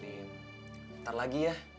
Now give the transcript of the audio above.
bentar lagi ya